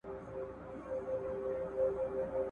زما کارونه په برياليتوب سره پای ته رسېدلي دي.